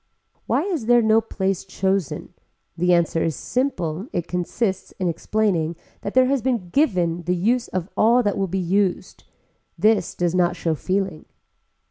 Why is there no place chosen. The answer is simple it consists in explaining that there has been given the use of all that will be used. This does not show feeling.